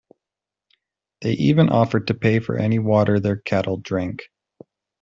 They even offered to pay for any water their cattle drank.